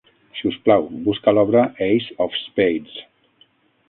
Si us plau, busca l'obra "Ace of Spades".